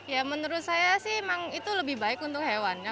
ya menurut saya sih memang itu lebih baik untuk hewan ya